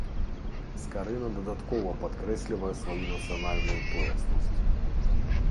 Скарына дадаткова падкрэслівае сваю нацыянальную тоеснасць.